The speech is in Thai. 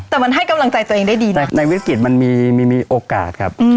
แต่มันให้กำลังใจตัวเองได้ดีนะในวิกฤตมันมีโอกาสครับ